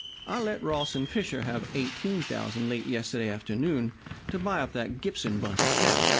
I let Ross and Fisher have $18,000 late yesterday afternoon to buy up that Gibson bunch of cattle.